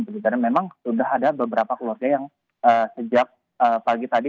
karena memang sudah ada beberapa keluarga yang sejak pagi tadi